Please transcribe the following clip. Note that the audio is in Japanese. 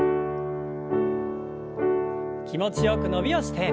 気持ちよく伸びをして。